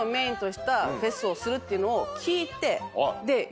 をするっていうのを聞いて。